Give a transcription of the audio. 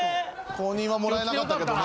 公認はもらえなかったけどね。